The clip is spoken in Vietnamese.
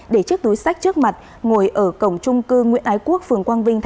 để chiếc túi sách trước mặt ngồi ở cổng trung cư nguyễn ái quốc phường quang vinh